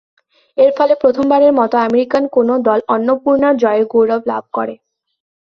এর ফলে প্রথমবারের মত আমেরিকান কোন দল অন্নপূর্ণা জয়ের গৌরব লাভ করে।